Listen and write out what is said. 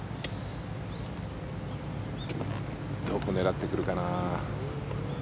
どこを狙ってくるかな。